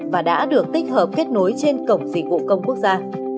và đã được tích hợp kết nối trên cổng dịch vụ công quốc gia